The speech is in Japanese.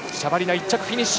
１着フィニッシュ。